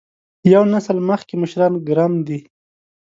یو نسل مخکې مشران ګرم دي.